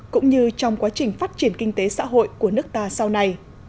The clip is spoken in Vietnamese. cũng như trong quá trình phát triển kinh tế xã hội của nước ta sau này